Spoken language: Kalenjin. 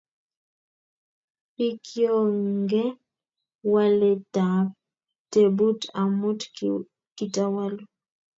nfikyogen waletab tebut amut kitawalu